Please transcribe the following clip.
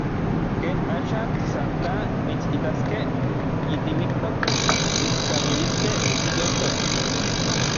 Ken axan, san tla mitsitaskej yitimiktok mitskauiliskej tiyoltos.